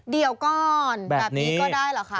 เดี๋ยวก่อนแบบนี้ก็ได้เหรอคะ